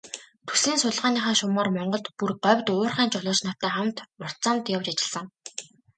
Төслийн судалгааныхаа шугамаар Монголд, бүр говьд уурхайн жолооч нартай хамт урт замд явж ажилласан.